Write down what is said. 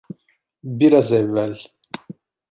Biraz evvel!